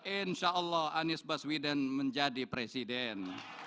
insya allah anies baswedan menjadi presiden